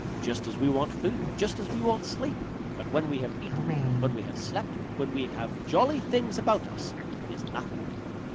Just as we want food, just as we want sleep. But when we have eaten, when we have slept, when we have jolly things about us it is nothing.